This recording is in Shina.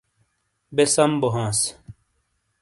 بے سم بو ہانس